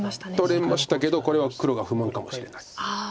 取れましたけどこれは黒が不満かもしれない。